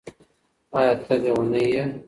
ایا ته لیونی یې؟